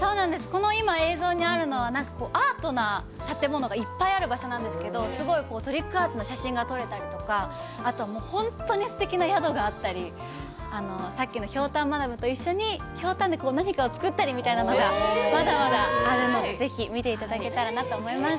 この今、映像にあるのは、アートな建物がいっぱいある場所なんですけれども、すごいトリックアートの写真が撮れたりとか、あと、本当にすてきな宿があったり、さっきのひょうたんマダムと一緒にひょうたんで何かを作ったりみたいなのが、まだまだあるので、ぜひ見ていただけたらなと思います。